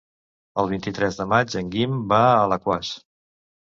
El vint-i-tres de maig en Guim va a Alaquàs.